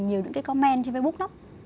nhiều những comment trên facebook lắm